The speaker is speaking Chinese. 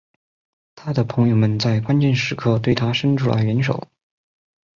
他的朋友们在关键时刻对他生出了援手。